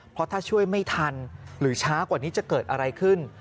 เพราะถ้าช่วยไม่ทันหรือช้ากว่านี้จะเกิดอะไรขึ้น